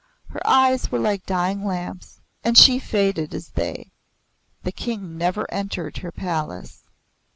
Her eyes were like dying lamps and she faded as they. The King never entered her palace.